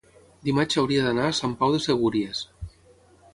dimarts hauria d'anar a Sant Pau de Segúries.